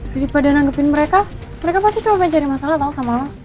daripada nanggepin mereka mereka pasti coba coba cari masalah tau sama allah